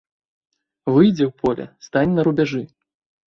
Выйдзі ў поле, стань на рубяжы.